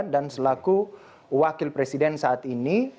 dan selaku wakil presiden saat ini